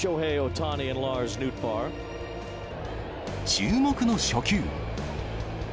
注目の初球。